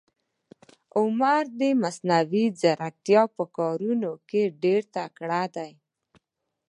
عمر د مصنوي ځیرکتیا په کارونه کې ډېر تکړه ده.